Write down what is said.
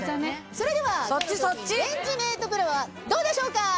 それではレンジメートプロはどうでしょうか？